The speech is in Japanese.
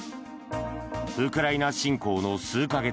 ウクライナ侵攻の数か月